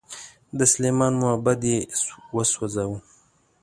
د سلیمان معبد یې وسوځاوه.